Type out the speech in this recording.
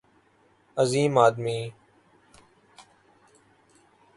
عظیم آدمی